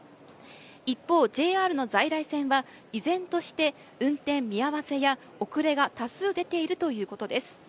一方、ＪＲの在来線は依然として運転見合わせや遅れが多数出ているということです。